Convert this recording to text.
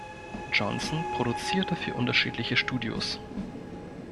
Johnson produzierte für unterschiedliche Studios.